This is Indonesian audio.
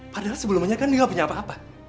padahal sebelumnya kan dia gak punya apa apa